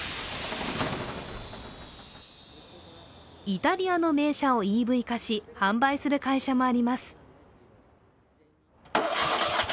イタリアの名車をＥＶ化し販売する会社もあります。